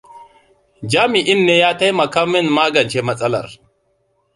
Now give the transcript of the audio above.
Jami'in ne ya taimaka min magance matsalar.